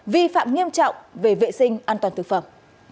vi phạm nghiêm trọng về vệ sinh an toàn thực phẩm